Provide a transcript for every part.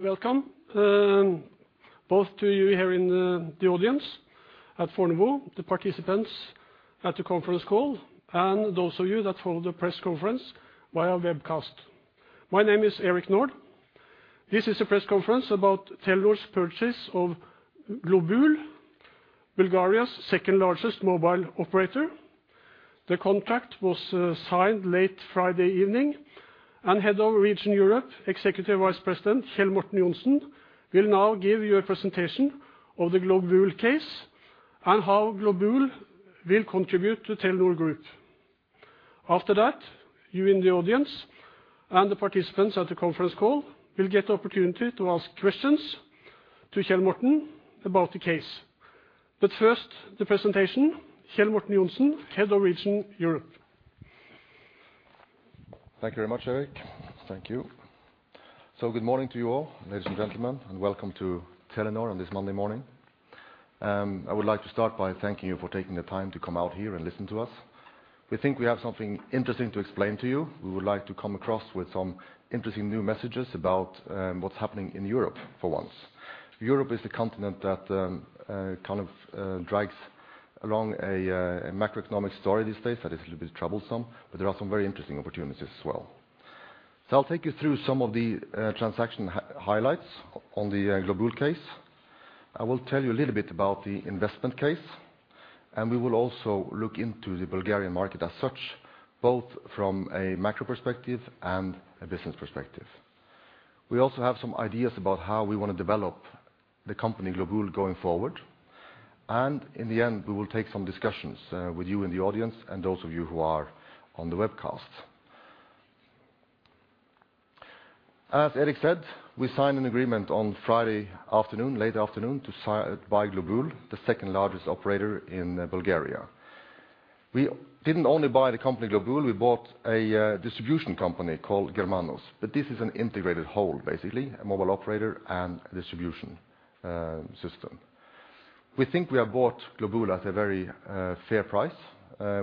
Welcome, both to you here in the audience at Fornebu, the participants at the conference call, and those of you that follow the press conference via webcast. My name is Erik Nord. This is a press conference about Telenor's purchase of Globul, Bulgaria's second largest mobile operator. The contract was signed late Friday evening, and Head of Region Europe, Executive Vice President Kjell Morten Johnsen, will now give you a presentation of the Globul case and how Globul will contribute to Telenor Group. After that, you in the audience and the participants at the conference call will get the opportunity to ask questions to Kjell Morten about the case. But first, the presentation, Kjell Morten Johnsen, Head of Region, Europe. Thank you very much, Erik. Thank you. So good morning to you all, ladies and gentlemen, and welcome to Telenor on this Monday morning. I would like to start by thanking you for taking the time to come out here and listen to us. We think we have something interesting to explain to you. We would like to come across with some interesting new messages about what's happening in Europe for once. Europe is a continent that kind of drags along a macroeconomic story these days that is a little bit troublesome, but there are some very interesting opportunities as well. So I'll take you through some of the transaction highlights on the Globul case. I will tell you a little bit about the investment case, and we will also look into the Bulgarian market as such, both from a macro perspective and a business perspective. We also have some ideas about how we want to develop the company, Globul, going forward, and in the end, we will take some discussions with you in the audience and those of you who are on the webcast. As Erik said, we signed an agreement on Friday afternoon, late afternoon, to buy Globul, the second-largest operator in Bulgaria. We didn't only buy the company, Globul, we bought a distribution company called, but this is an integrated whole, basically, a mobile operator and a distribution system. We think we have bought Globul at a very fair price.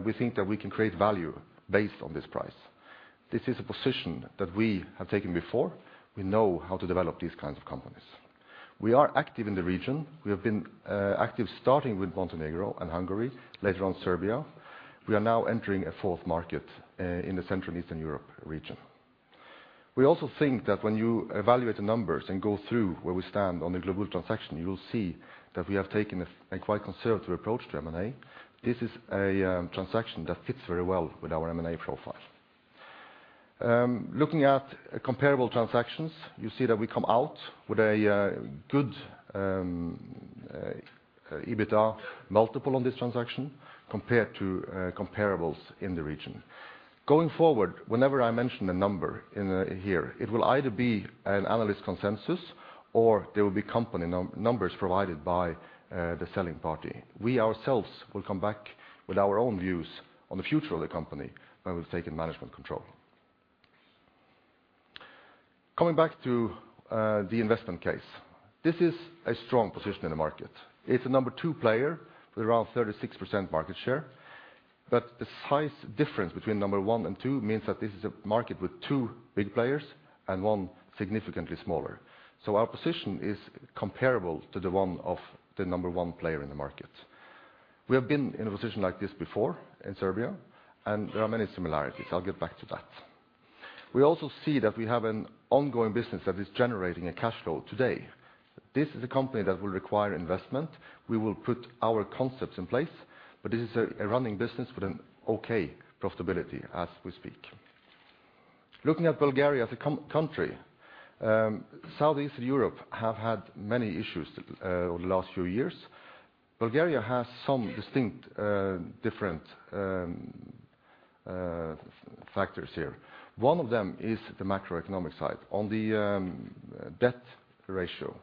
We think that we can create value based on this price. This is a position that we have taken before. We know how to develop these kinds of companies. We are active in the region. We have been active, starting with Montenegro and Hungary, later on, Serbia. We are now entering a fourth market in the Central and Eastern Europe region. We also think that when you evaluate the numbers and go through where we stand on the Globul transaction, you will see that we have taken a quite conservative approach to M&A. This is a transaction that fits very well with our M&A profile. Looking at comparable transactions, you see that we come out with a good EBITDA multiple on this transaction compared to comparables in the region. Going forward, whenever I mention a number in here, it will either be an analyst consensus or there will be company numbers provided by the selling party. We ourselves will come back with our own views on the future of the company when we've taken management control. Coming back to the investment case, this is a strong position in the market. It's a number two player with around 36% market share, but the size difference between number one and two means that this is a market with two big players and one significantly smaller. So our position is comparable to the one of the number one player in the market. We have been in a position like this before in Serbia, and there are many similarities. I'll get back to that. We also see that we have an ongoing business that is generating a cash flow today. This is a company that will require investment. We will put our concepts in place, but this is a running business with an okay profitability as we speak. Looking at Bulgaria as a country, Southeast Europe have had many issues over the last few years. Bulgaria has some distinct different factors here. One of them is the macroeconomic side. On the debt ratio,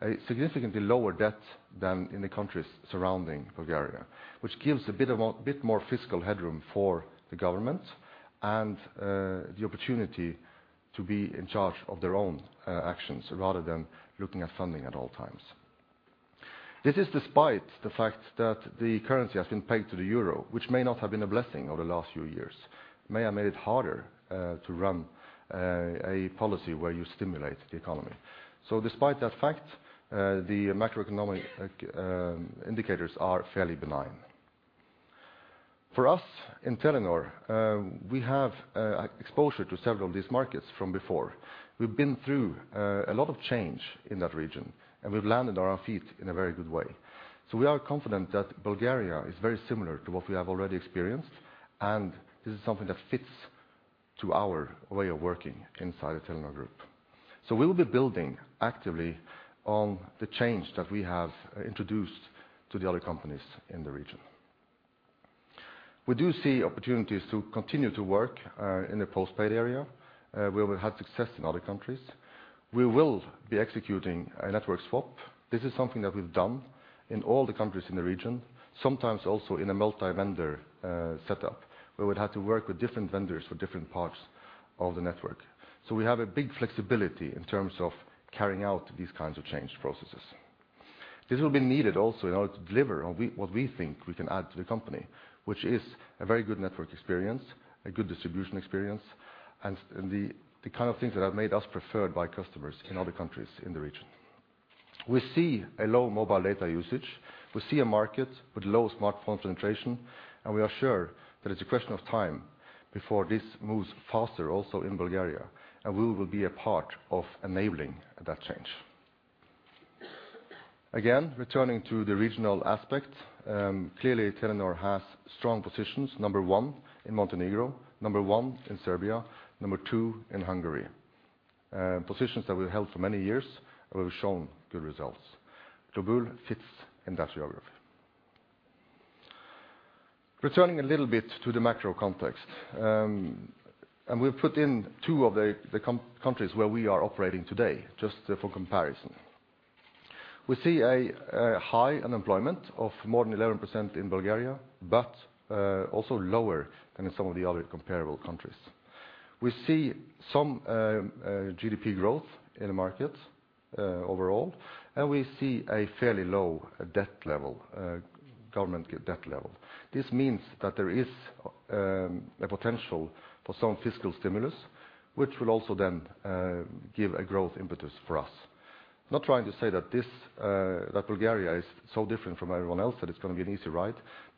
a significantly lower debt than in the countries surrounding Bulgaria, which gives a bit more fiscal headroom for the government and the opportunity to be in charge of their own actions rather than looking at funding at all times. This is despite the fact that the currency has been pegged to the euro, which may not have been a blessing over the last few years, may have made it harder to run a policy where you stimulate the economy. So despite that fact, the macroeconomic indicators are fairly benign. For us in Telenor, we have exposure to several of these markets from before. We've been through a lot of change in that region, and we've landed on our feet in a very good way. So we are confident that Bulgaria is very similar to what we have already experienced, and this is something that fits to our way of working inside the Telenor group. So we will be building actively on the change that we have introduced to the other companies in the region. We do see opportunities to continue to work in the postpaid area, where we've had success in other countries. We will be executing a network swap. This is something that we've done in all the countries in the region, sometimes also in a multi-vendor setup, where we'd have to work with different vendors for different parts of the network. So we have a big flexibility in terms of carrying out these kinds of change processes. This will be needed also in order to deliver on what we think we can add to the company, which is a very good network experience, a good distribution experience, and the kind of things that have made us preferred by customers in other countries in the region. We see a low mobile data usage. We see a market with low smartphone penetration, and we are sure that it's a question of time before this moves faster, also in Bulgaria, and we will be a part of enabling that change. Again, returning to the regional aspect, clearly, Telenor has strong positions, number one in Montenegro, number one in Serbia, number two in Hungary, positions that we've held for many years, and we've shown good results. Globul fits in that geography. Returning a little bit to the macro context, and we've put in two of the countries where we are operating today, just for comparison. We see a high unemployment of more than 11% in Bulgaria, but also lower than in some of the other comparable countries. We see some GDP growth in the market overall, and we see a fairly low debt level, government debt level. This means that there is a potential for some fiscal stimulus, which will also then give a growth impetus for us. Not trying to say that Bulgaria is so different from everyone else, that it's gonna be an easy ride,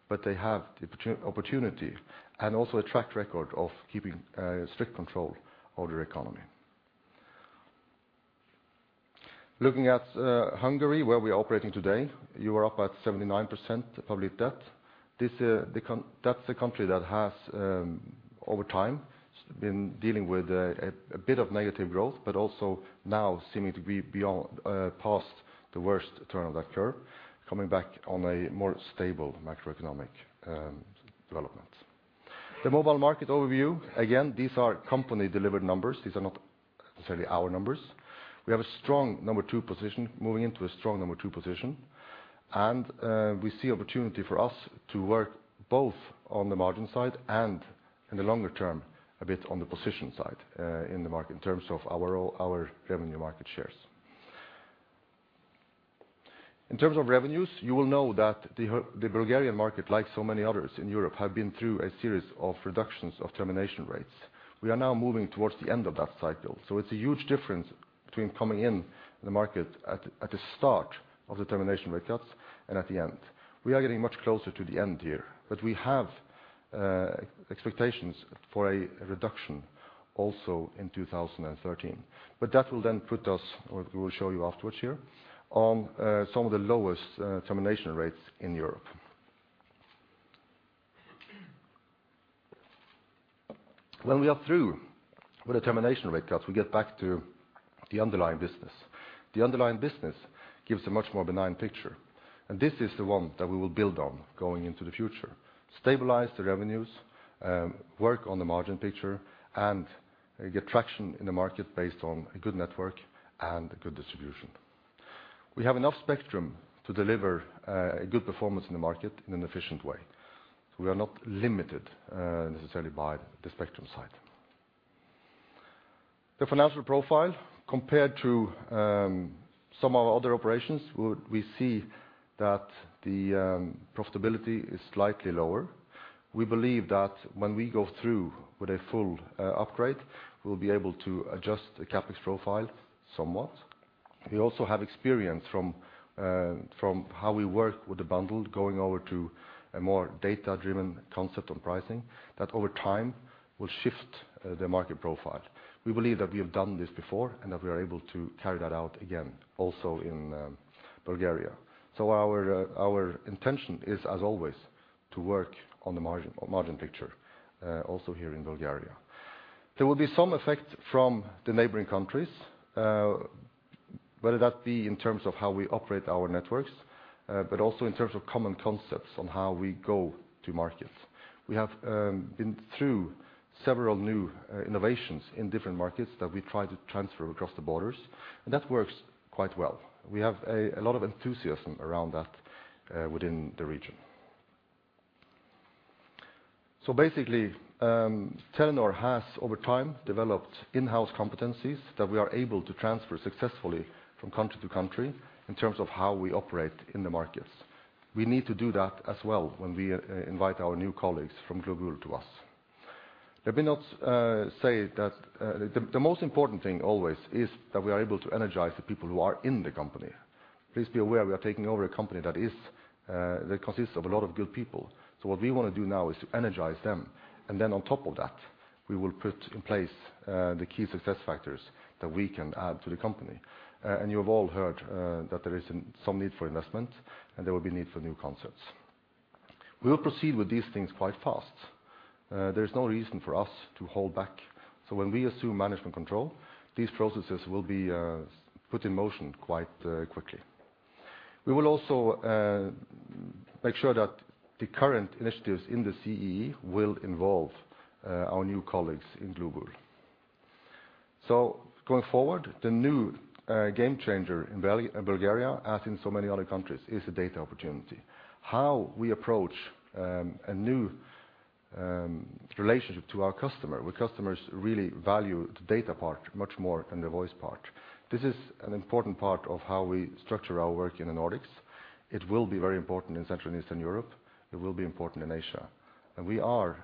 but they have the opportunity and also a track record of keeping strict control over their economy. Looking at Hungary, where we are operating today, you are up at 79% public debt. This country that's a country that has, over time, been dealing with a bit of negative growth, but also now seeming to be past the worst turn of that curve, coming back on a more stable macroeconomic development. The mobile market overview, again, these are company-delivered numbers. These are not necessarily our numbers. We have a strong number two position, moving into a strong number two position, and we see opportunity for us to work both on the margin side and in the longer term, a bit on the position side, in the market in terms of our, our revenue market shares. In terms of revenues, you will know that the Bulgarian market, like so many others in Europe, have been through a series of reductions of termination rates. We are now moving towards the end of that cycle, so it's a huge difference between coming in the market at the start of the termination rate cuts and at the end. We are getting much closer to the end here, but we have expectations for a reduction also in 2013. But that will then put us, or we will show you afterwards here, on some of the lowest termination rates in Europe. When we are through with the termination rate cuts, we get back to the underlying business. The underlying business gives a much more benign picture, and this is the one that we will build on going into the future. Stabilize the revenues, work on the margin picture, and get traction in the market based on a good network and a good distribution. We have enough spectrum to deliver a good performance in the market in an efficient way. We are not limited necessarily by the spectrum side. The financial profile, compared to some of our other operations, would. We see that the profitability is slightly lower. We believe that when we go through with a full upgrade, we'll be able to adjust the CapEx profile somewhat. We also have experience from how we work with the bundle, going over to a more data-driven concept on pricing, that over time, will shift the market profile. We believe that we have done this before, and that we are able to carry that out again, also in Bulgaria. So our intention is, as always, to work on the margin picture also here in Bulgaria. There will be some effect from the neighboring countries, whether that be in terms of how we operate our networks, but also in terms of common concepts on how we go to market. We have been through several new innovations in different markets that we try to transfer across the borders, and that works quite well. We have a lot of enthusiasm around that within the region. So basically, Telenor has, over time, developed in-house competencies that we are able to transfer successfully from country to country in terms of how we operate in the markets. We need to do that as well when we invite our new colleagues from Globul to us. Let me not say that... the most important thing always is that we are able to energize the people who are in the company. Please be aware we are taking over a company that consists of a lot of good people. So what we want to do now is to energize them, and then on top of that, we will put in place the key success factors that we can add to the company. And you have all heard that there is some need for investment, and there will be need for new concepts. We will proceed with these things quite fast. There's no reason for us to hold back, so when we assume management control, these processes will be put in motion quite quickly. We will also make sure that the current initiatives in the CEE will involve our new colleagues in Globul. So going forward, the new game changer in Bulgaria, as in so many other countries, is the data opportunity. How we approach a new-... relationship to our customer, where customers really value the data part much more than the voice part. This is an important part of how we structure our work in the Nordics. It will be very important in Central and Eastern Europe, it will be important in Asia, and we are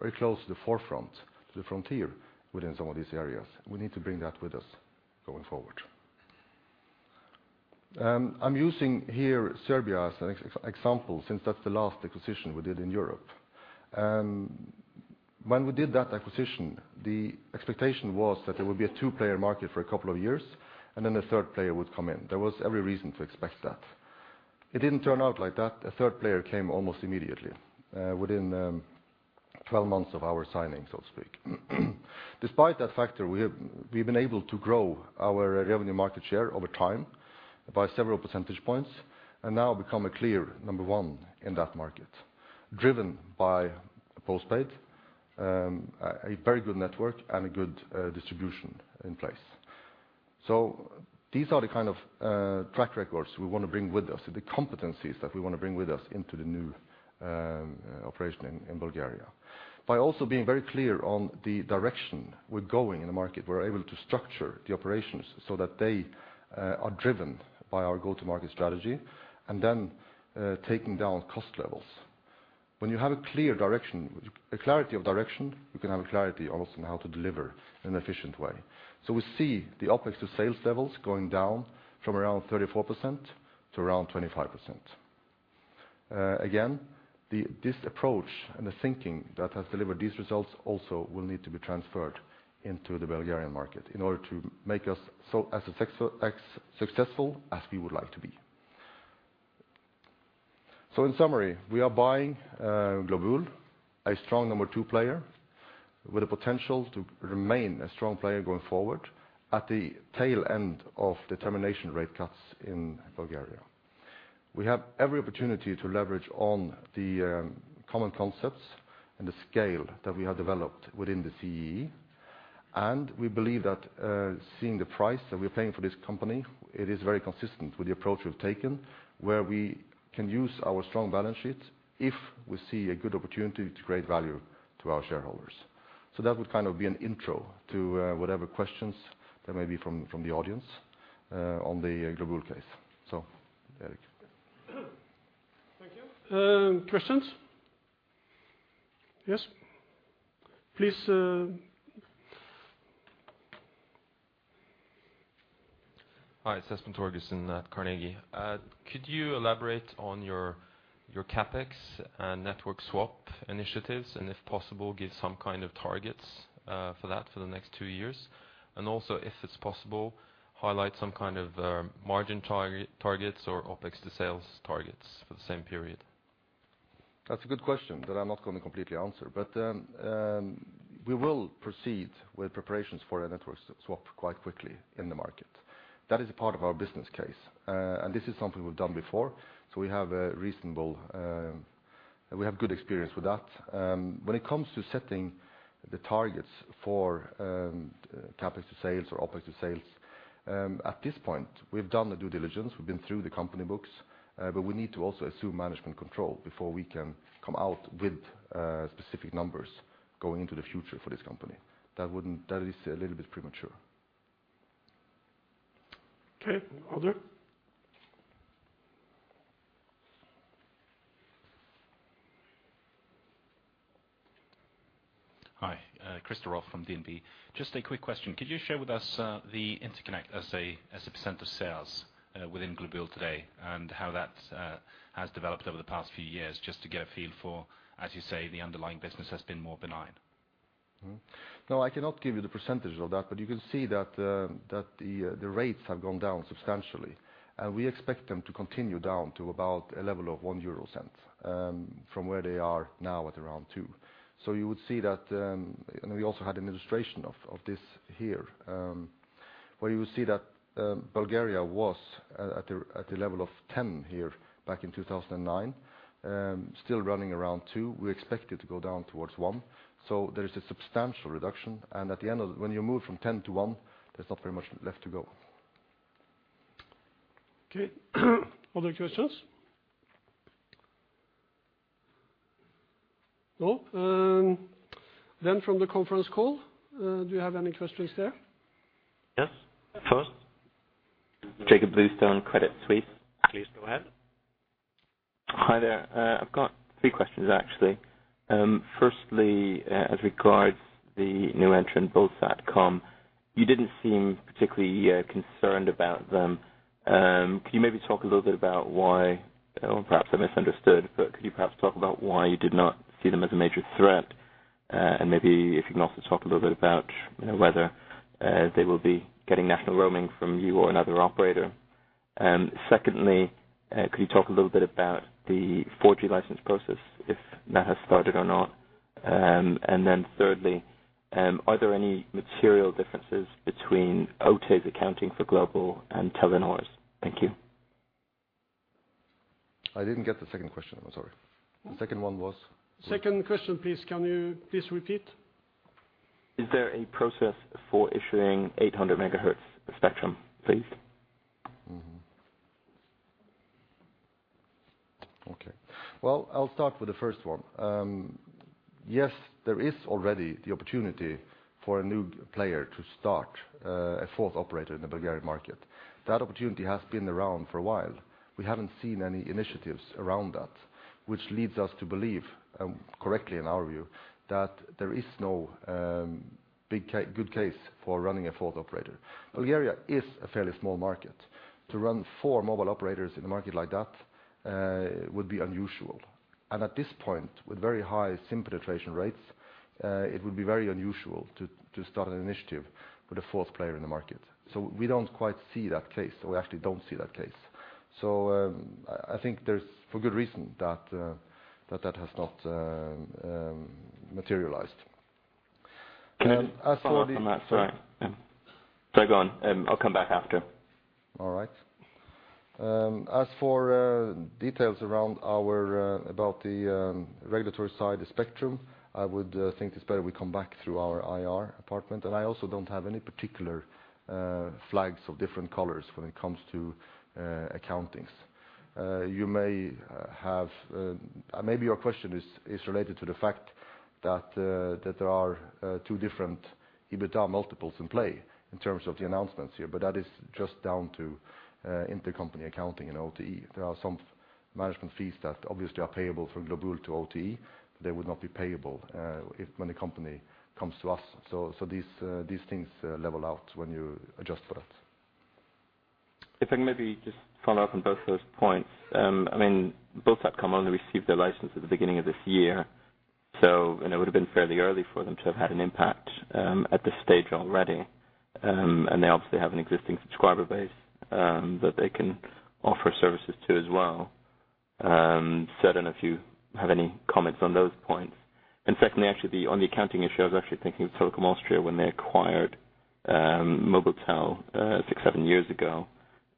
very close to the forefront, to the frontier within some of these areas. We need to bring that with us going forward. I'm using here Serbia as an example, since that's the last acquisition we did in Europe. And when we did that acquisition, the expectation was that there would be a two-player market for a couple of years, and then a third player would come in. There was every reason to expect that. It didn't turn out like that. A third player came almost immediately, within 12 months of our signing, so to speak. Despite that factor, we have, we've been able to grow our revenue market share over time by several percentage points, and now become a clear number one in that market, driven by postpaid, a very good network and a good distribution in place. So these are the kind of track records we want to bring with us, and the competencies that we want to bring with us into the new operation in Bulgaria. By also being very clear on the direction we're going in the market, we're able to structure the operations so that they are driven by our go-to-market strategy, and then taking down cost levels. When you have a clear direction, a clarity of direction, you can have a clarity also on how to deliver in an efficient way. So we see the OpEx to sales levels going down from around 34% to around 25%. Again, this approach and the thinking that has delivered these results also will need to be transferred into the Bulgarian market in order to make us so as a successful as we would like to be. So in summary, we are buying Globul, a strong number two player, with the potential to remain a strong player going forward at the tail end of the termination rate cuts in Bulgaria. We have every opportunity to leverage on the common concepts and the scale that we have developed within the CEE. We believe that, seeing the price that we're paying for this company, it is very consistent with the approach we've taken, where we can use our strong balance sheet if we see a good opportunity to create value to our shareholders. So that would kind of be an intro to, whatever questions there may be from the audience, on the Globul case. So, Erik. Thank you. Questions? Yes, please... Hi, it's Espen Thorkildsen at. Could you elaborate on your, your CapEx and network swap initiatives, and if possible, give some kind of targets for that for the next two years? And also, if it's possible, highlight some kind of margin targets or OpEx to sales targets for the same period. That's a good question that I'm not going to completely answer. But we will proceed with preparations for a network swap quite quickly in the market. That is a part of our business case, and this is something we've done before, so we have a reasonable... We have good experience with that. When it comes to setting the targets for CapEx to sales or OpEx to sales, at this point, we've done the due diligence, we've been through the company books, but we need to also assume management control before we can come out with specific numbers going into the future for this company. That is a little bit premature. Okay. Other? Hi, Chris Rolfe from DNB. Just a quick question. Could you share with us the interconnect, as a percent of sales, within Globul today, and how that has developed over the past few years, just to get a feel for, as you say, the underlying business has been more benign? No, I cannot give you the percentage of that, but you can see that the rates have gone down substantially. We expect them to continue down to about a level of 0.01, from where they are now at around 0.02. So you would see that. We also had an illustration of this here, where you will see that, Bulgaria was at a level of 0.10 here, back in 2009, still running around 0.02. We expect it to go down towards 0.01, so there is a substantial reduction. When you move from 10 to 1, there's not very much left to go. Okay. Other questions? No, then from the conference call, do you have any questions there? Yes, first, Jacob Bluestone, Credit Suisse. Please go ahead. Hi there. I've got three questions, actually. Firstly, as regards the new entrant, Bulsatcom, you didn't seem particularly concerned about them. Could you maybe talk a little bit about why, or perhaps I misunderstood, but could you perhaps talk about why you did not see them as a major threat? And maybe if you can also talk a little bit about, you know, whether they will be getting national roaming from you or another operator. And secondly, could you talk a little bit about the 4G license process, if that has started or not? And then thirdly, are there any material differences between OTE's accounting for Globul and Telenor's? Thank you. I didn't get the second question. I'm sorry. The second one was? The second question, please, can you please repeat? Is there a process for issuing 800 MHz spectrum, please? Okay. Well, I'll start with the first one. Yes, there is already the opportunity for a new player to start a fourth operator in the Bulgarian market. That opportunity has been around for a while. We haven't seen any initiatives around that, which leads us to believe, correctly in our view, that there is no good case for running a fourth operator. Bulgaria is a fairly small market. To run four mobile operators in a market like that would be unusual. And at this point, with very high SIM penetration rates, it would be very unusual to start an initiative with a fourth player in the market. So we don't quite see that case, or we actually don't see that case. So, I think there's for good reason that that has not materialized. Can I just follow up on that? Sorry. Yeah. Go on, and I'll come back after. All right. As for details about the regulatory side, the spectrum, I would think it's better we come back through our IR department. And I also don't have any particular flags of different colors when it comes to accounting. Maybe your question is related to the fact that there are two different EBITDA multiples in play in terms of the announcements here, but that is just down to intercompany accounting in OTE. There are some management fees that obviously are payable from Globul to OTE. They would not be payable if when the company comes to us. So these things level out when you adjust for that. If I can maybe just follow up on both those points. I mean, Bulsatcom only received their license at the beginning of this year, so, and it would have been fairly early for them to have had an impact, at this stage already. And they obviously have an existing subscriber base, that they can offer services to as well. So I don't know if you have any comments on those points. And secondly, actually, on the accounting issue, I was actually thinking of Telekom Austria when they acquired, Mobiltel, 6-7 years ago,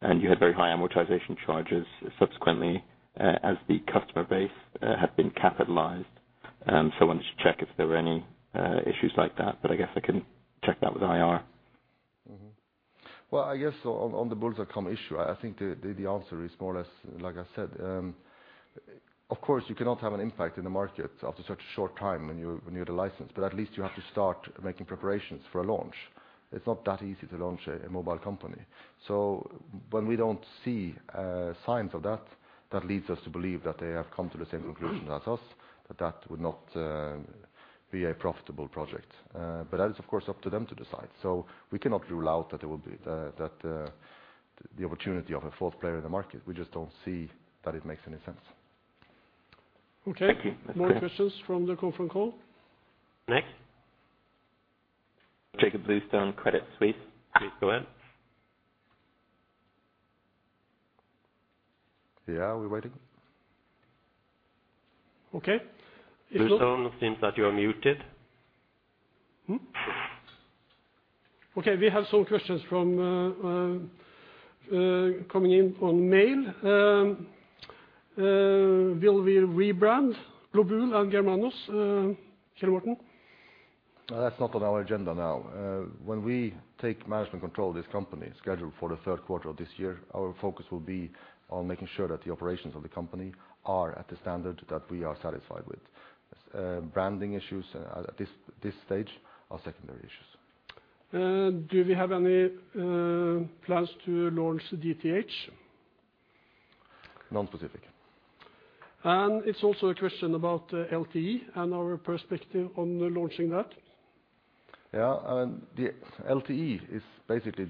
and you had very high amortization charges subsequently, as the customer base, had been capitalized. So I wanted to check if there were any, issues like that, but I guess I can check that with IR. Well, I guess on the Bulsatcom issue, I think the answer is more or less, like I said. Of course, you cannot have an impact in the market after such a short time when you had a license, but at least you have to start making preparations for a launch. It's not that easy to launch a mobile company. So when we don't see signs of that, that leads us to believe that they have come to the same conclusion as us, that that would not be a profitable project. But that is, of course, up to them to decide. So we cannot rule out that there will be the opportunity of a fourth player in the market. We just don't see that it makes any sense. Okay. Thank you. More questions from the conference call? Next? Jakob Bluestone, Credit Suisse, please go ahead. Yeah, we're waiting. Okay. Bluestone, seems that you are muted. Hmm? Okay, we have some questions from coming in on mail. Will we rebrand Globul and Germanos, Kjell Morten? That's not on our agenda now. When we take management control of this company, scheduled for the third quarter of this year, our focus will be on making sure that the operations of the company are at the standard that we are satisfied with. Branding issues at this stage are secondary issues. Do we have any plans to launch DTH? Non-specific. It's also a question about LTE and our perspective on launching that. Yeah, and the LTE is basically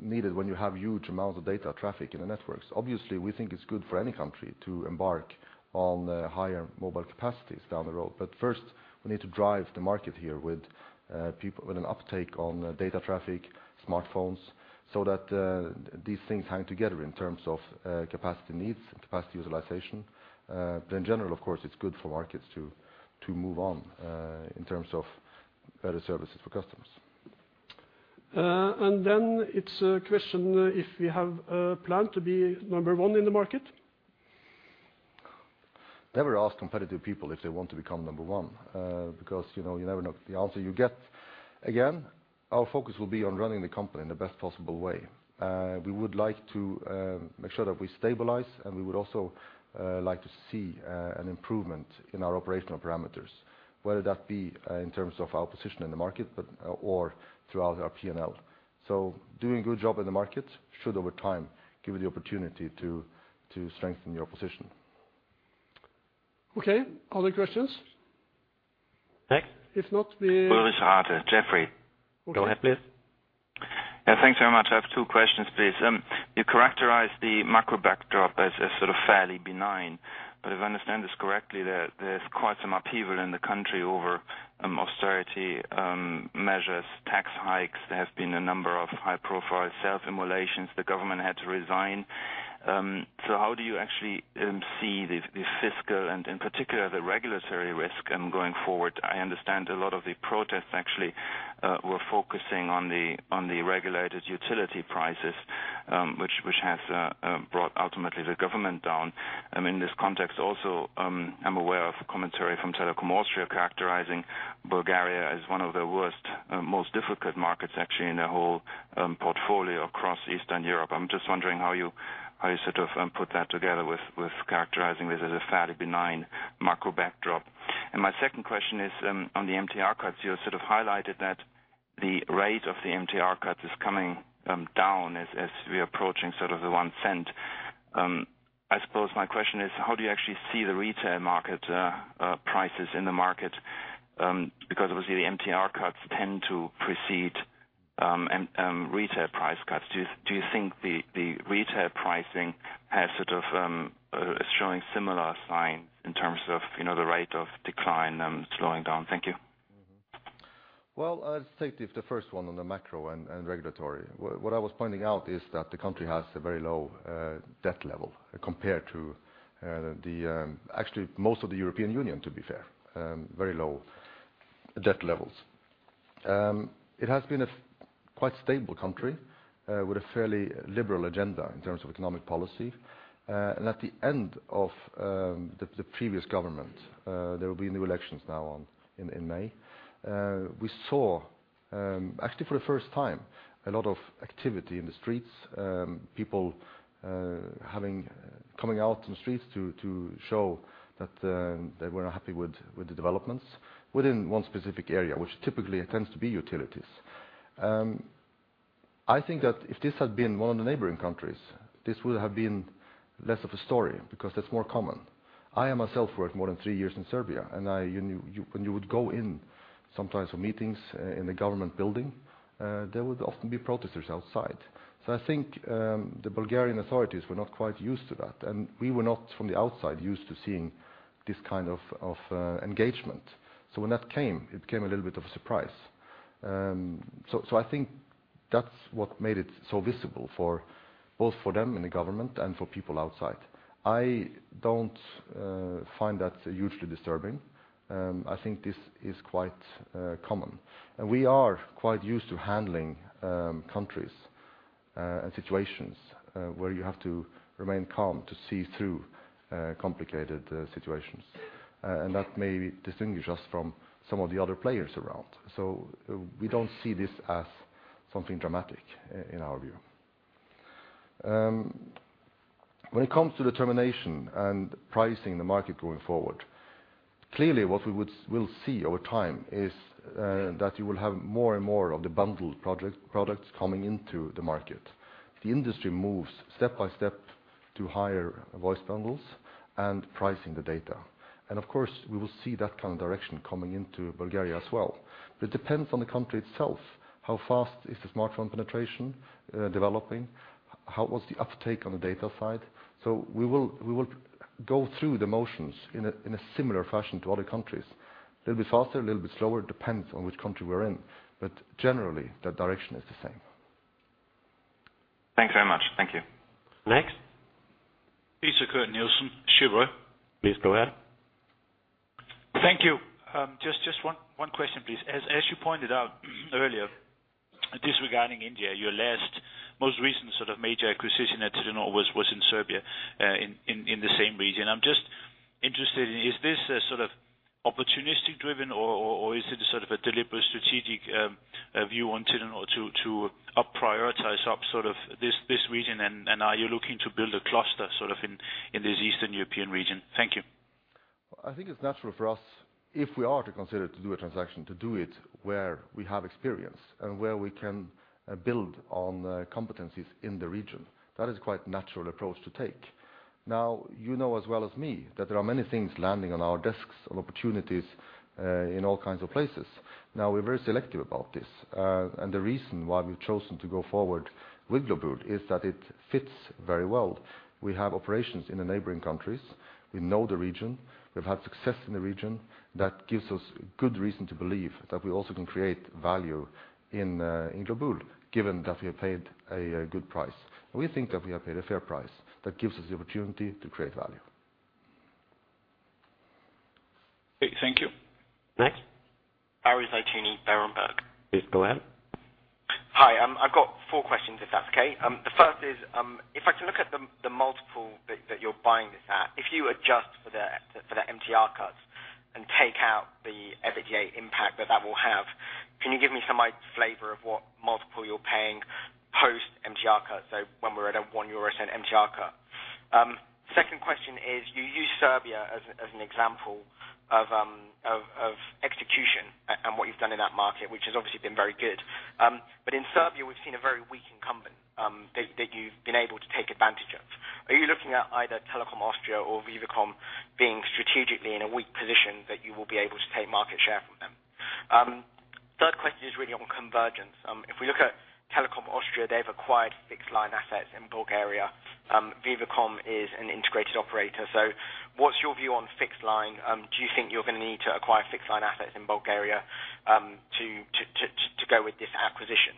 needed when you have huge amounts of data traffic in the networks. Obviously, we think it's good for any country to embark on higher mobile capacities down the road. But first, we need to drive the market here with people with an uptake on data traffic, smartphones, so that these things hang together in terms of capacity needs and capacity utilization. But in general, of course, it's good for markets to move on in terms of better services for customers. It's a question if we have a plan to be number one in the market? Never ask competitive people if they want to become number one, because, you know, you never know the answer you get. Again, our focus will be on running the company in the best possible way. We would like to make sure that we stabilize, and we would also like to see an improvement in our operational parameters, whether that be in terms of our position in the market, but, or throughout our P&L. So doing a good job in the market should, over time, give you the opportunity to strengthen your position. Okay. Other questions? Next. If not, we- Jeffrey, go ahead, please. Yeah, thanks very much. I have two questions, please. You characterized the macro backdrop as sort of fairly benign, but if I understand this correctly, there's quite some upheaval in the country over austerity measures, tax hikes. There have been a number of high-profile self-immolations. The government had to resign. So how do you actually see the fiscal and, in particular, the regulatory risk going forward? I understand a lot of the protests actually were focusing on the regulated utility prices, which has brought ultimately the government down. In this context also, I'm aware of commentary from Telekom Austria characterizing Bulgaria as one of the worst most difficult markets, actually, in the whole portfolio across Eastern Europe. I'm just wondering how you, how you sort of put that together with, with characterizing this as a fairly benign macro backdrop. My second question is on the MTR cuts. You sort of highlighted that the rate of the MTR cut is coming down as we are approaching sort of the 0.01. I suppose my question is, how do you actually see the retail market prices in the market? Because obviously the MTR cuts tend to precede retail price cuts. Do you, do you think the, the retail pricing has sort of is showing similar signs in terms of, you know, the rate of decline slowing down? Thank you. Well, I'll take the first one on the macro and regulatory. What I was pointing out is that the country has a very low debt level compared to the actually most of the European Union, to be fair, very low debt levels. It has been a quite stable country with a fairly liberal agenda in terms of economic policy. And at the end of the previous government, there will be new elections now in May. We saw actually for the first time, a lot of activity in the streets, people having coming out in the streets to show that they were not happy with the developments within one specific area, which typically it tends to be utilities. I think that if this had been one of the neighboring countries, this would have been less of a story because that's more common. I am myself, worked more than three years in Serbia, and I, when you would go in sometimes for meetings, in the government building, there would often be protesters outside. So I think, the Bulgarian authorities were not quite used to that, and we were not, from the outside, used to seeing this kind of engagement. So when that came, it came a little bit of a surprise. So I think that's what made it so visible for, both for them in the government and for people outside. I don't find that hugely disturbing. I think this is quite common. We are quite used to handling countries and situations where you have to remain calm to see through complicated situations. And that may distinguish us from some of the other players around. So we don't see this as something dramatic in our view. When it comes to the termination and pricing the market going forward, clearly what we will see over time is that you will have more and more of the bundled products coming into the market. The industry moves step by step to higher voice bundles and pricing the data. And of course, we will see that kind of direction coming into Bulgaria as well. But it depends on the country itself, how fast is the smartphone penetration developing, how was the uptake on the data side? So we will go through the motions in a similar fashion to other countries. A little bit faster, a little bit slower, depends on which country we're in, but generally, the direction is the same. Thanks very much. Thank you. Next? Peter Kurt Nielsen, Schubert. Please go ahead. Thank you. Just one question, please. As you pointed out earlier, disregarding India, your last most recent sort of major acquisition at Telenor was in Serbia in the same region. I'm just interested in, is this a sort of opportunistic driven, or is it a sort of a deliberate strategic view on Telenor to up prioritize up sort of this this region? And are you looking to build a cluster sort of in this Eastern European region? Thank you. I think it's natural for us, if we are to consider to do a transaction, to do it where we have experience and where we can build on competencies in the region. That is quite natural approach to take. Now, you know as well as me, that there are many things landing on our desks of opportunities in all kinds of places. Now, we're very selective about this, and the reason why we've chosen to go forward with Globul is that it fits very well. We have operations in the neighboring countries. We know the region. We've had success in the region. That gives us good reason to believe that we also can create value in Globul, given that we have paid a good price. We think that we have paid a fair price. That gives us the opportunity to create value. Okay. Thank you. Next. Harry Zituni, Berenberg. Please go ahead. Hi, I've got four questions, if that's okay. The first is, if I can look at the multiple that you're buying this at, if you adjust for the MTR cuts and take out the EBITDA impact that will have, can you give me some idea, flavor of what multiple you're paying post MTR cuts, so when we're at a 0.01 MTR? Second question is, you used Serbia as an example of execution and what you've done in that market, which has obviously been very good. But in Serbia, we've seen a very weak incumbent that you've been able to take advantage of. Are you looking at either Telekom Austria or Vivacom being strategically in a weak position that you will be able to take market share from them? Third question is really on convergence. If we look at Telekom Austria, they've acquired fixed line assets in Bulgaria. Vivacom is an integrated operator, so what's your view on fixed line? Do you think you're going to need to acquire fixed line assets in Bulgaria to go with this acquisition?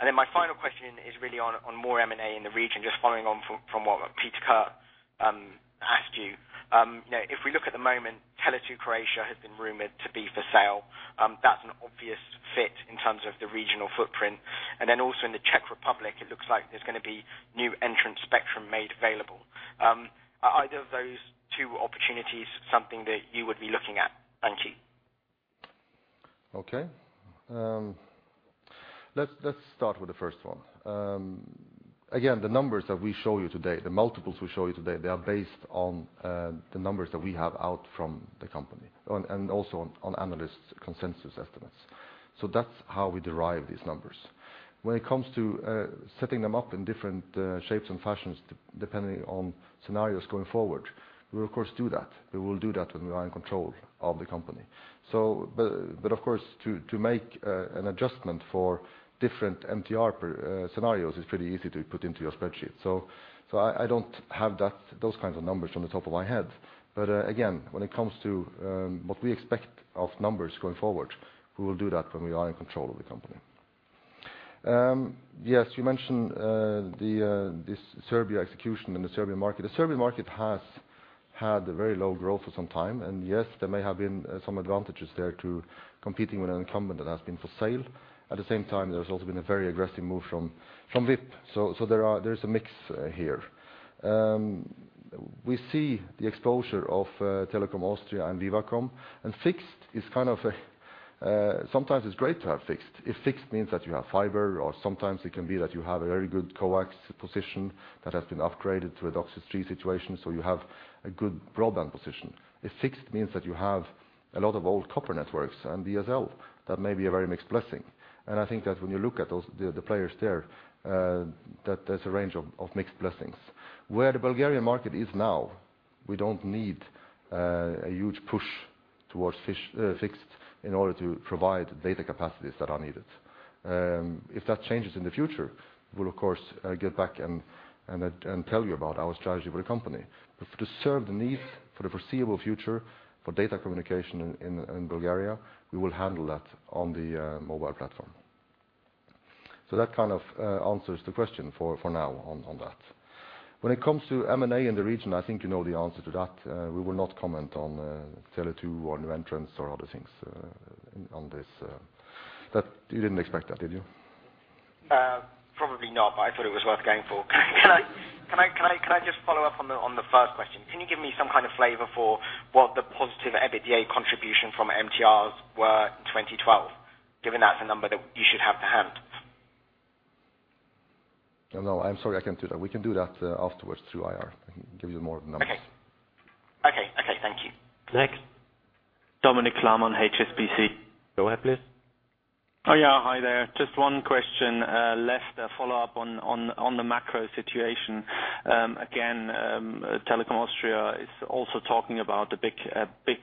And then my final question is really on more M&A in the region, just following on from what Peter Kurt asked you. Now, if we look at the moment, Tele2 Croatia has been rumored to be for sale. That's an obvious fit in terms of the regional footprint. And then also in the Czech Republic, it looks like there's going to be new entrant spectrum made available. Are either of those two opportunities something that you would be looking at? Thank you. Okay. Let's, let's start with the first one. Again, the numbers that we show you today, the multiples we show you today, they are based on, the numbers that we have out from the company, and, and also on, on analyst consensus estimates. So that's how we derive these numbers. When it comes to, setting them up in different, shapes and fashions, depending on scenarios going forward, we will, of course, do that. We will do that when we are in control of the company. So but, but of course, to, to make, an adjustment for different MTR per, scenarios is pretty easy to put into your spreadsheet. So, so I, I don't have that, those kinds of numbers on the top of my head. But again, when it comes to what we expect of numbers going forward, we will do that when we are in control of the company. Yes, you mentioned this Serbia execution in the Serbian market. The Serbian market has had a very low growth for some time, and yes, there may have been some advantages there to competing with an incumbent that has been for sale. At the same time, there's also been a very aggressive move from VIP. So there is a mix here. We see the exposure of Telekom Austria and Vivacom, and fixed is kind of a. Sometimes it's great to have fixed. If fixed means that you have fiber, or sometimes it can be that you have a very good coax position that has been upgraded to a DOCSIS 3 situation, so you have a good broadband position. If fixed means that you have a lot of old copper networks and DSL, that may be a very mixed blessing. And I think that when you look at those, the players there, that there's a range of mixed blessings. Where the Bulgarian market is now, we don't need a huge push towards fixed in order to provide data capacities that are needed. If that changes in the future, we'll of course get back and tell you about our strategy for the company. But to serve the need for the foreseeable future, for data communication in Bulgaria, we will handle that on the mobile platform. So that kind of answers the question for now on that. When it comes to M&A in the region, I think you know the answer to that. We will not comment on Tele2 or new entrants or other things on this. But you didn't expect that, did you? Probably not, but I thought it was worth going for. Can I just follow up on the first question? Can you give me some kind of flavor for what the positive EBITDA contribution from MTRs were in 2012, given that's a number that you should have to hand? No, I'm sorry, I can't do that. We can do that afterwards through IR. I can give you more numbers. Okay. Okay, okay, thank you. Next? Dominic Klamon, HSBC. Go ahead, please. Oh, yeah, hi there. Just one question. Left a follow-up on the macro situation. Again, Telekom Austria is also talking about the big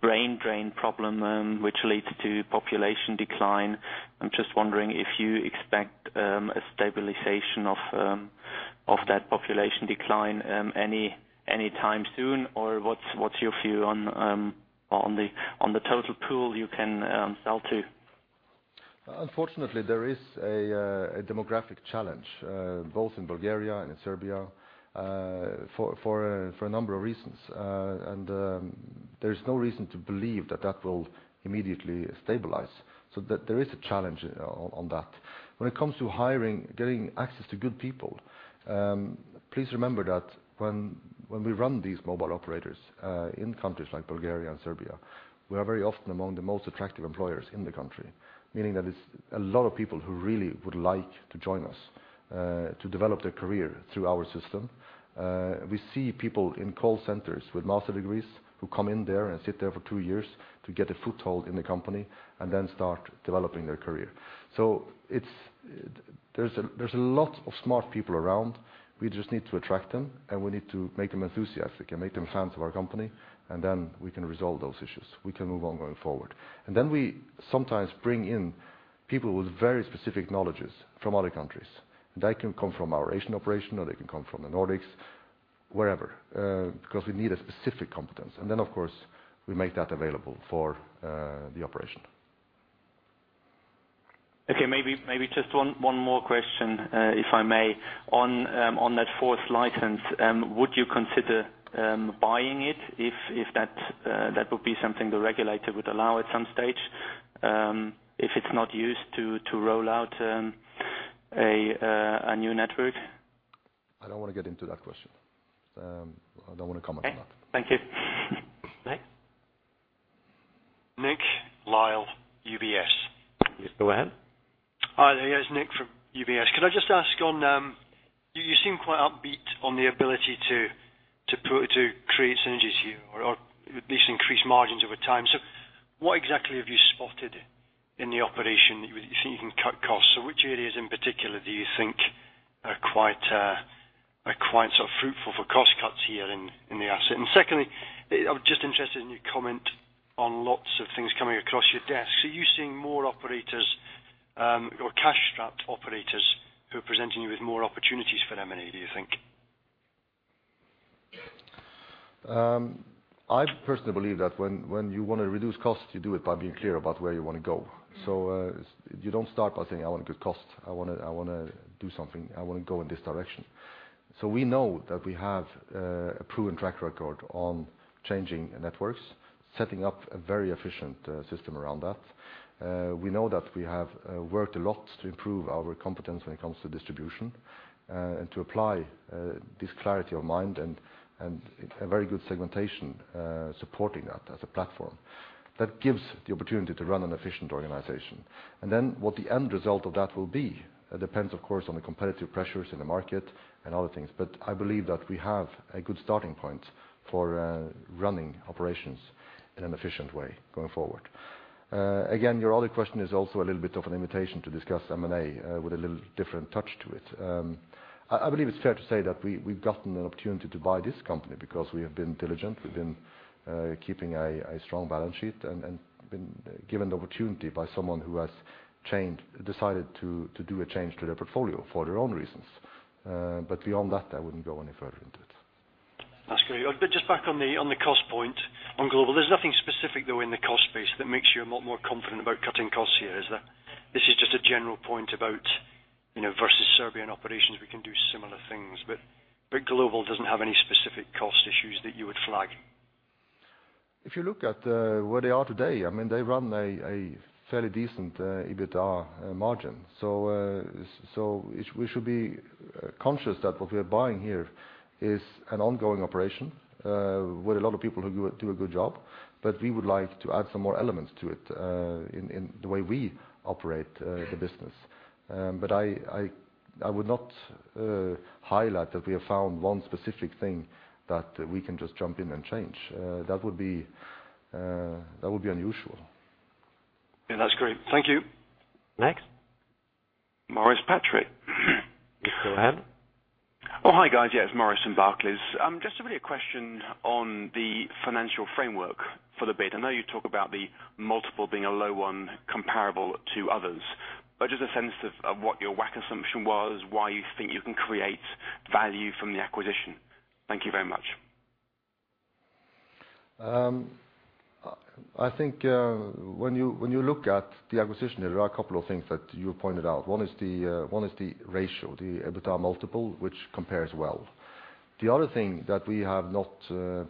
brain drain problem, which leads to population decline. I'm just wondering if you expect a stabilization of that population decline anytime soon, or what's your view on the total pool you can sell to? Unfortunately, there is a demographic challenge both in Bulgaria and in Serbia for a number of reasons. There's no reason to believe that that will immediately stabilize, so that there is a challenge on that. When it comes to hiring, getting access to good people, please remember that when we run these mobile operators in countries like Bulgaria and Serbia, we are very often among the most attractive employers in the country. Meaning that it's a lot of people who really would like to join us to develop their career through our system. We see people in call centers with master degrees, who come in there and sit there for two years to get a foothold in the company and then start developing their career. So it's... There's a lot of smart people around. We just need to attract them, and we need to make them enthusiastic and make them fans of our company, and then we can resolve those issues. We can move on going forward. And then we sometimes bring in people with very specific knowledges from other countries. They can come from our Asian operation, or they can come from the Nordics, wherever, because we need a specific competence, and then, of course, we make that available for the operation. Okay, maybe, maybe just one, one more question, if I may. On, on that fourth license, would you consider buying it if, if that would be something the regulator would allow at some stage, if it's not used to, to roll out a, a new network? I don't want to get into that question. I don't want to comment on that. Okay. Thank you. Next. Nick Lyall, UBS. Yes, go ahead. Hi there. Yes, Nick from UBS. Could I just ask on, you seem quite upbeat on the ability to create synergies here or at least increase margins over time. So what exactly have you spotted in the operation that you think you can cut costs? So which areas in particular do you think are quite sort of fruitful for cost cuts here in the asset? And secondly, I'm just interested in your comment on lots of things coming across your desk. Are you seeing more operators or cash-strapped operators who are presenting you with more opportunities for M&A, do you think? I personally believe that when, when you want to reduce costs, you do it by being clear about where you want to go. So, you don't start by saying: I want good cost, I wanna, I wanna do something, I wanna go in this direction. So we know that we have, a proven track record on changing networks, setting up a very efficient, system around that. We know that we have, worked a lot to improve our competence when it comes to distribution, and to apply, this clarity of mind and, and a very good segmentation, supporting that as a platform. That gives the opportunity to run an efficient organization. And then what the end result of that will be, depends, of course, on the competitive pressures in the market and other things. But I believe that we have a good starting point for running operations in an efficient way going forward. Again, your other question is also a little bit of an invitation to discuss M&A with a little different touch to it. I believe it's fair to say that we've gotten an opportunity to buy this company because we have been diligent, we've been keeping a strong balance sheet and been given the opportunity by someone who has decided to do a change to their portfolio for their own reasons. But beyond that, I wouldn't go any further into it. That's great. But just back on the, on the cost point, on Globul, there's nothing specific, though, in the cost base that makes you a lot more confident about cutting costs here, is there? This is just a general point about, you know, versus Serbian operations, we can do similar things. But Globul doesn't have any specific cost issues that you would flag? If you look at where they are today, I mean, they run a fairly decent EBITDA margin. So we should be conscious that what we are buying here is an ongoing operation with a lot of people who do a good job. But we would like to add some more elements to it in the way we operate the business. But I would not highlight that we have found one specific thing that we can just jump in and change. That would be unusual. Yeah, that's great. Thank you. Next? Maurice Patrick. Please go ahead. Oh, hi, guys. Yes, Maurice from Barclays. Just really a question on the financial framework for the bid. I know you talk about the multiple being a low one comparable to others, but just a sense of what your WACC assumption was, why you think you can create value from the acquisition. Thank you very much. I think when you look at the acquisition, there are a couple of things that you pointed out. One is the ratio, the EBITDA multiple, which compares well. The other thing that we have not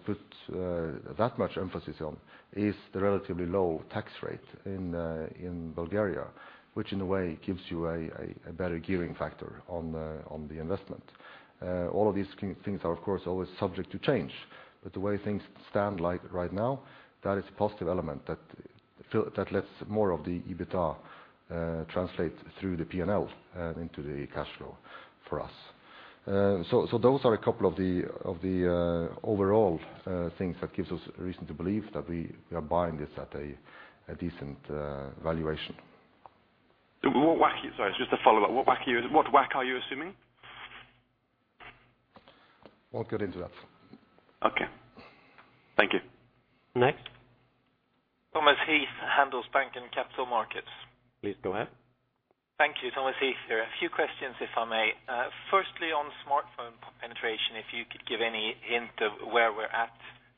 put that much emphasis on is the relatively low tax rate in Bulgaria, which, in a way, gives you a better gearing factor on the investment. All of these things are, of course, always subject to change, but the way things stand like right now, that is a positive element that lets more of the EBITDA translate through the P&L into the cash flow for us. So, those are a couple of the overall things that gives us reason to believe that we are buying this at a decent valuation. WACC, sorry, just to follow up. What WACC are you, what WACC are you assuming? Won't get into that. Okay. Thank you. Next? Thomas Heath, Handelsbanken Capital Markets. Please go ahead. Thank you. Thomas Heath here. A few questions, if I may. Firstly, on smartphone penetration, if you could give any hint of where we're at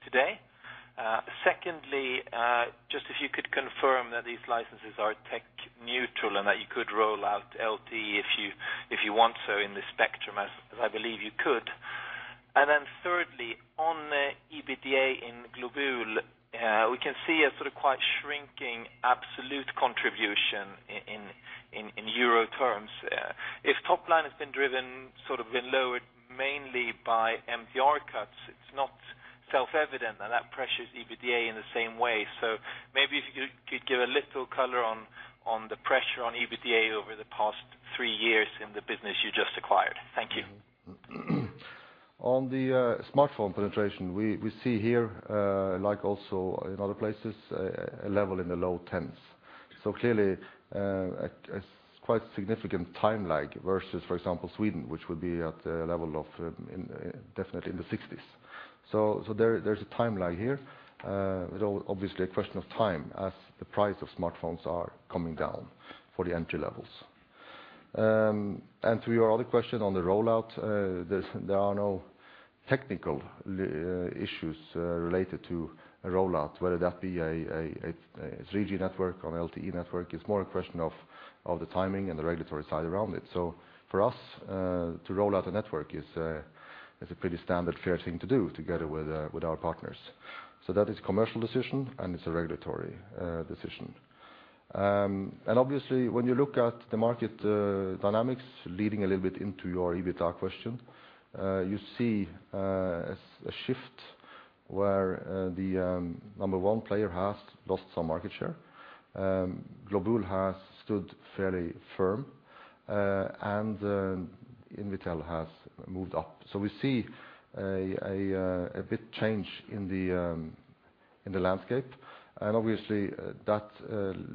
today. Secondly, just if you could confirm that these licenses are tech neutral, and that you could roll out LTE if you want to in this spectrum, as I believe you could. Then thirdly, on the EBITDA in Globul, we can see a sort of quite shrinking absolute contribution in euro terms. If top line has been driven, sort of been lowered mainly by MTR cuts, it's not self-evident, and that pressures EBITDA in the same way. So maybe if you could give a little color on the pressure on EBITDA over the past three years in the business you just acquired. Thank you. On the smartphone penetration, we see here, like also in other places, a level in the low tens. So clearly, a quite significant time lag versus, for example, Sweden, which would be at a level of, definitely in the sixties. So there's a time lag here. Obviously, a question of time as the price of smartphones are coming down for the entry levels. And to your other question on the rollout, there are no technical issues related to a rollout, whether that be a 3G network or an LTE network. It's more a question of the timing and the regulatory side around it. So for us, to roll out a network is a pretty standard fair thing to do together with our partners. So that is commercial decision and it's a regulatory decision. And obviously, when you look at the market dynamics, leading a little bit into your EBITDA question, you see a big change in the landscape, and obviously, that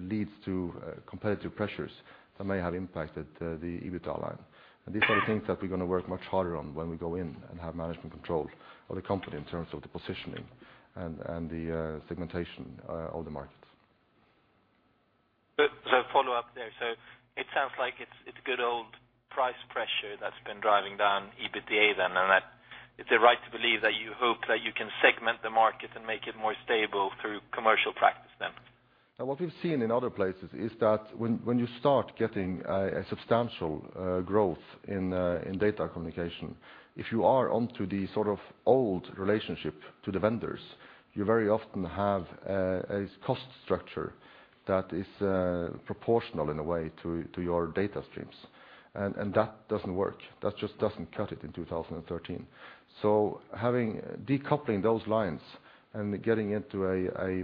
leads to competitive pressures that may have impacted the EBITDA line. And these are the things that we're going to work much harder on when we go in and have management control of the company in terms of the positioning and the segmentation of the markets. So follow up there. So it sounds like it's, it's good old price pressure that's been driving down EBITDA then, and that is it right to believe that you hope that you can segment the market and make it more stable through commercial practices? And what we've seen in other places is that when you start getting a substantial growth in data communication, if you are onto the sort of old relationship to the vendors, you very often have a cost structure that is proportional in a way to your data streams, and that doesn't work. That just doesn't cut it in 2013. So having decoupling those lines and getting into a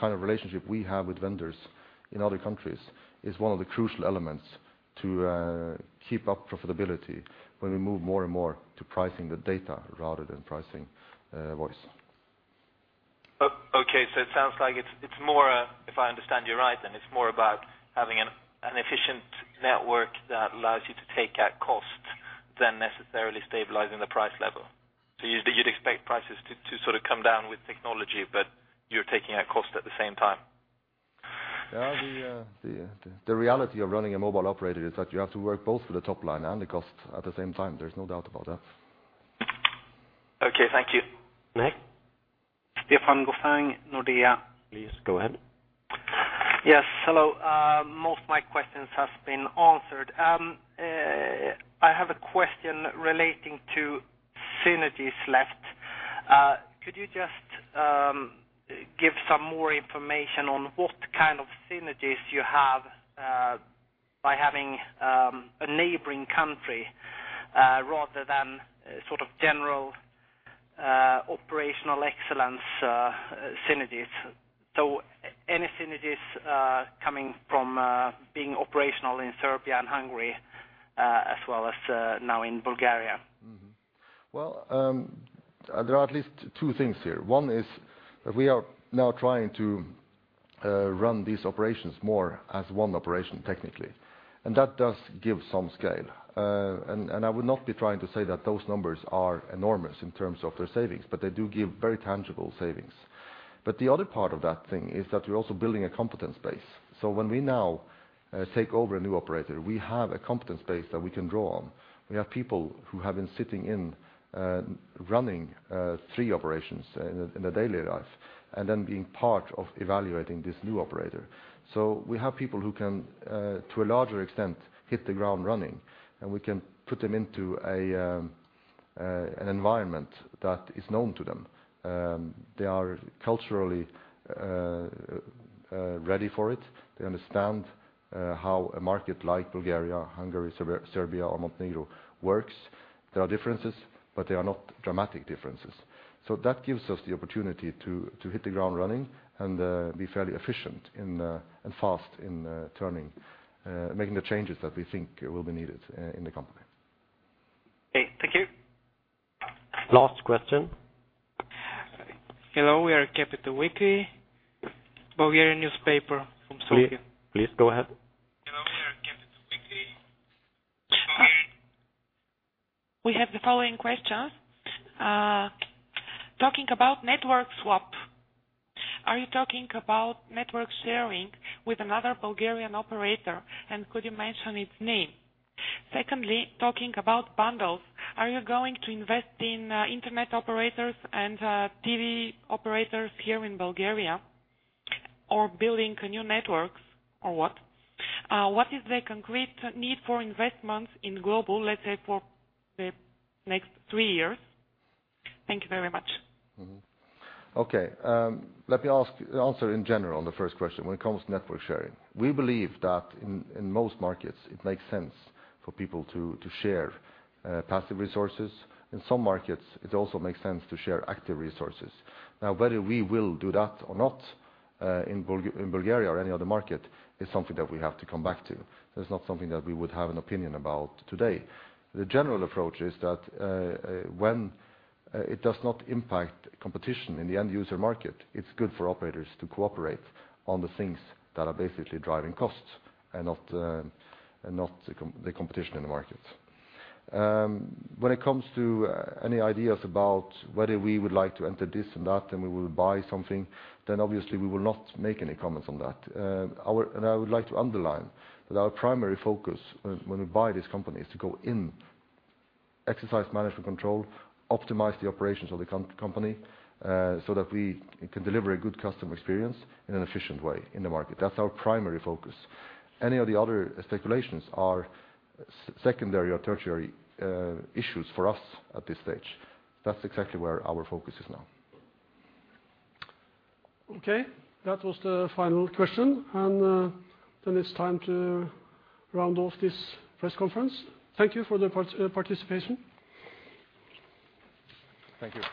kind of relationship we have with vendors in other countries is one of the crucial elements to keep up profitability when we move more and more to pricing the data rather than pricing voice. Okay, so it sounds like it's more, if I understand you right, then it's more about having an efficient network that allows you to take out costs than necessarily stabilizing the price level. So you'd expect prices to sort of come down with technology, but you're taking out cost at the same time? Yeah, the reality of running a mobile operator is that you have to work both for the top line and the cost at the same time. There's no doubt about that. Okay, thank you. Next. Stefan Gauffin, Nordea. Please, go ahead. Yes, hello. Most of my questions has been answered. I have a question relating to synergies left. Could you just give some more information on what kind of synergies you have by having a neighboring country rather than sort of general operational excellence synergies? So any synergies coming from being operational in Serbia and Hungary as well as now in Bulgaria? Mm-hmm. Well, there are at least two things here. One is we are now trying to run these operations more as one operation, technically, and that does give some scale. And I would not be trying to say that those numbers are enormous in terms of their savings, but they do give very tangible savings. But the other part of that thing is that we're also building a competence base. So when we now take over a new operator, we have a competence base that we can draw on. We have people who have been sitting in running three operations in their daily life and then being part of evaluating this new operator. So we have people who can, to a larger extent, hit the ground running, and we can put them into a, an environment that is known to them. They are culturally ready for it. They understand how a market like Bulgaria, Hungary, Serbia, or Montenegro works. There are differences, but they are not dramatic differences. So that gives us the opportunity to hit the ground running and be fairly efficient in and fast in turning making the changes that we think will be needed in the company. Okay, thank you. Last question. Hello, we are Capital Weekly, Bulgarian newspaper from Sofia. Please, please, go ahead. Hello, we are Capital Weekly. We have the following questions: Talking about network swap, are you talking about network sharing with another Bulgarian operator, and could you mention its name? Secondly, talking about bundles, are you going to invest in internet operators and TV operators here in Bulgaria, or building new networks, or what? What is the concrete need for investments in Globul, let's say, for the next three years? Thank you very much. Mm-hmm. Okay, let me answer in general on the first question, when it comes to network sharing. We believe that in most markets, it makes sense for people to share passive resources. In some markets, it also makes sense to share active resources. Now, whether we will do that or not in Bulgaria or any other market, is something that we have to come back to. That's not something that we would have an opinion about today. The general approach is that when it does not impact competition in the end user market, it's good for operators to cooperate on the things that are basically driving costs and not the competition in the market. When it comes to any ideas about whether we would like to enter this and that, and we will buy something, then obviously we will not make any comments on that. And I would like to underline that our primary focus when we buy this company is to go in, exercise management control, optimize the operations of the company so that we can deliver a good customer experience in an efficient way in the market. That's our primary focus. Any of the other speculations are secondary or tertiary issues for us at this stage. That's exactly where our focus is now. Okay, that was the final question, and then it's time to round off this press conference. Thank you for the participation. Thank you.